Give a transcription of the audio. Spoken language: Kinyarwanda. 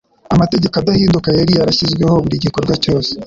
Amategeko adahinduka yari yarashyiriweho buri gikorwa cyose,